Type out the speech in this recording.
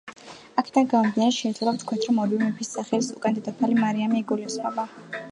აქედან გამომდინარე, შეიძლება ვთქვათ, რომ ორივე მეფის სახელის უკან დედოფალი მარიამი იგულისხმება.